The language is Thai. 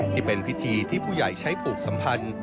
ที่เป็นพิธีที่ผู้ใหญ่ใช้ผูกสัมพันธ์